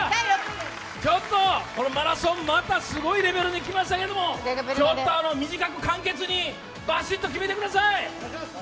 マラソン、またすごいレベルにきましたけど短く簡潔にビシッと決めてください。